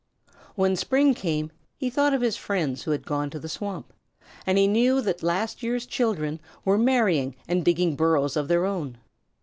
When spring came he thought of his friends who had gone to the swamp and he knew that last year's children were marrying and digging burrows of their own.